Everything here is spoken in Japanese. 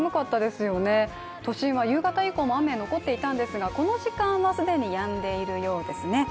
都心は夕方以降も雨が残っていたんですがこの時間は既にやんでいるようですね。